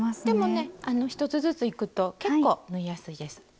でもね１つずついくと結構縫いやすいです。